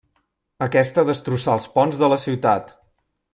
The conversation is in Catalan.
Aquesta destrossà els ponts de la ciutat.